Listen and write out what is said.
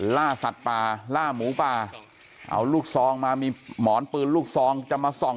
ล่าสัตว์ป่าล่าหมูป่าเอาลูกซองมามีหมอนปืนลูกซองจะมาส่อง